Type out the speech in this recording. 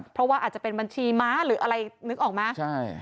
เพราะว่าอาจจะมีบัญชีม้าหรืออะไรหนึ๊กออกมั้ย